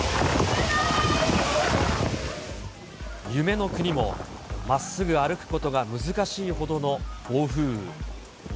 夢の国も、まっすぐ歩くことが難しいほどの暴風雨。